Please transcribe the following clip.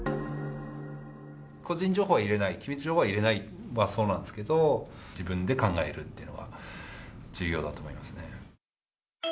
個人情報は入れない、機密情報は入れないはそうなんですけど、自分で考えるっていうのが重要だと思いますね。